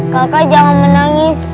kakak jangan menangis